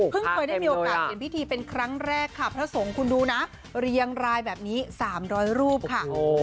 เคยได้มีโอกาสเห็นพิธีเป็นครั้งแรกค่ะพระสงฆ์คุณดูนะเรียงรายแบบนี้๓๐๐รูปค่ะ